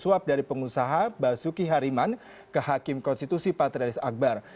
suap dari pengusaha basuki hariman kehakim konstitusi patrialis akbar